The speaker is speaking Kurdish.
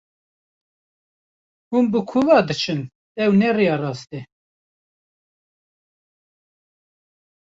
Hûn bi ku ve diçin, ew ne rêya rast e.